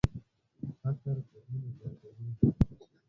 فقر جرمونه زیاتوي.